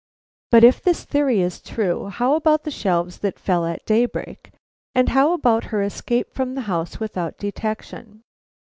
But if this theory is true, how about the shelves that fell at daybreak, and how about her escape from the house without detection?